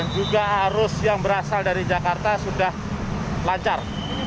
juga arus yang berasal dari jakarta sudah lancar